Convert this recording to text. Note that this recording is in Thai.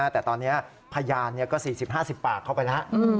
แต่ตอนนี้พยานก็๔๐๕๐ปากเข้าไปแล้ว